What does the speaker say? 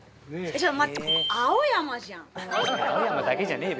ちょっと待って青山だけじゃねえよ